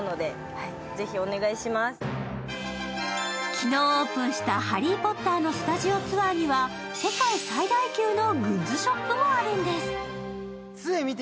昨日オープンした「ハリー・ポッター」のスタジオツアーには世界最大級のグッズショップもあるんです。